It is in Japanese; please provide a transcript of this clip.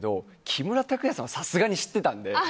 木村拓哉さんはさすがに知ってたんで。